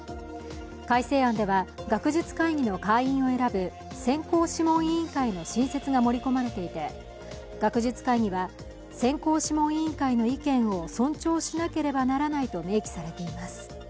改正案では、学術会議の会員を選ぶ選考諮問委員会の新設が盛り込まれていて学術会議は、選考諮問委員会の意見を尊重しなければならないと明記されています。